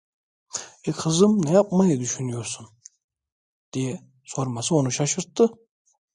"E, kızım, ne yapmayı düşünüyorsun?" diye sorması onu şaşırttı.